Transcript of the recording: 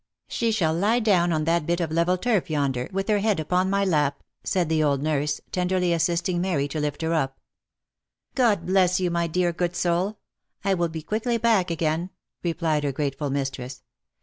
" She shall lie down on that bit of level turf vonder, with her head 266 THE LIFE AND ADVENTURES upon my lap," said the old nurse, tenderly assisting Mary to lift her up. " God bless you, my dear good soul ! I will be quickly back again," replied her grateful mistress.